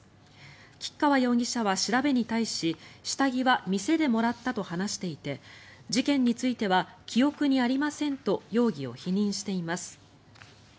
吉川容疑者は調べに対し下着は店でもらったと話していて事件については記憶にありませんと容疑を否認しています。